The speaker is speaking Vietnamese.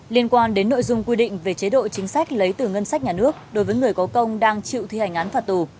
liên quan đến nội dung quy định về chế độ chính sách lấy từ ngân sách nhà nước đối với người có công đang chịu thi hành án phạt tù